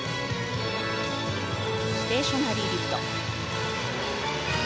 ステーショナリーリフト。